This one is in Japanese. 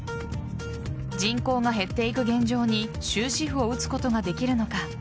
人口が減っていく現状に終止符を打つことができるのか。